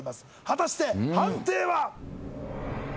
果たして判定は？